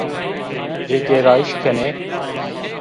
Cigêrayîş kenê